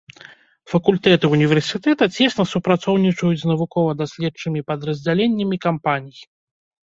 Факультэты універсітэта цесна супрацоўнічаюць з навукова-даследчымі падраздзяленнямі кампаній.